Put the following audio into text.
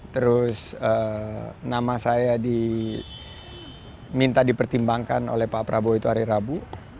terus nama saya diminta dipertimbangkan oleh pak prabowo itu hari rabu